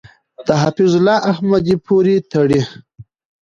د حفیظ الله احمدی پورې تړي .